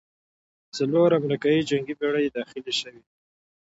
څلور امریکايي جنګي بېړۍ داخلې شوې.